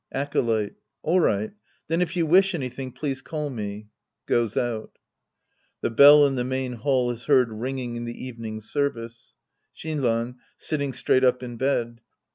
Acolyte. All right. Then if you wish anything, please call me. {Goes out.') {The bell in the main hall is heard ringing in the evening service^ Shinran {sitting straight up it bed).